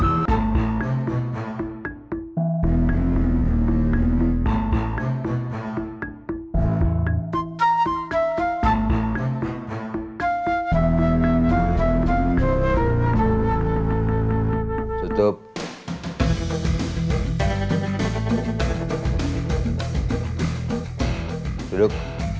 ya ada tiga orang